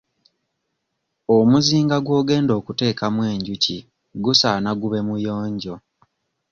Omuzinga gw'ogenda okuteekamu enjuki gusaana gube muyonjo.